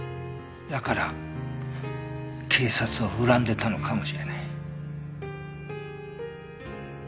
だから警察を恨んでたのかもしれない。